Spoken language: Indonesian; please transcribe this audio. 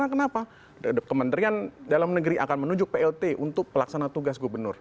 kenapa kementerian dalam negeri akan menunjuk plt untuk pelaksana tugas gubernur